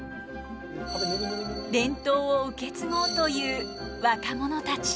伝統を受け継ごうという若者たち。